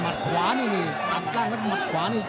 หมัดขวานี่นี่ตามกล้างแล้วก็หมัดขวานี่